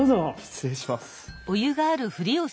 失礼します。